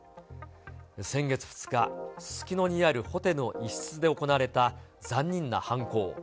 先月２日、すすきのにあるホテルの一室で行われた残忍な犯行。